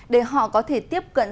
để họ có thể tiếp cận